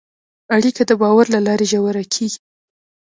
اړیکه د باور له لارې ژوره کېږي.